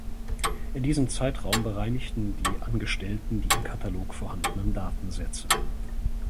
In diesem Zeitraum bereinigten die Angestellten die im Katalog vorhandenen Datensätze.